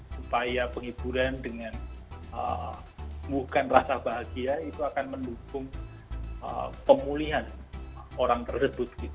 supaya penghiburan dengan bukan rasa bahagia itu akan mendukung pemulihan orang tersebut